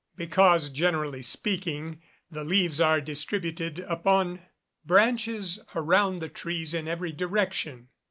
_ Because, generally speaking, the leaves are distributed upon branches around the trees in every direction.